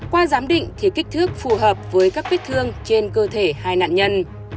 qua giám định thì kích thước phù hợp với các vết thương trên cơ thể hai nạn nhân